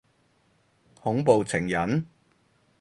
恐怖情人？